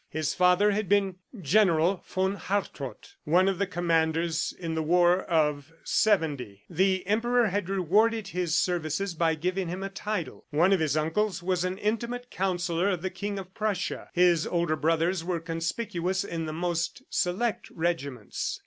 His father had been General von Hartrott, one of the commanders in the war of '70. The Emperor had rewarded his services by giving him a title. One of his uncles was an intimate councillor of the King of Prussia. His older brothers were conspicuous in the most select regiments.